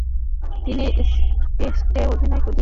তিনি টেস্টে অধিনায়কের দায়িত্বে ছিলেন।